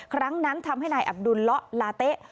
ครั้งนั้นทำให้นายอับดุลละลาเต๊ะ